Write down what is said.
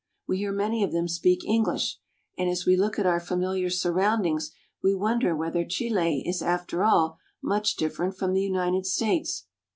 We hear many of them speak 114 CHILE. English, and as we look at our familiar surroundings we wonder whether Chile is, after all, much different from the United States.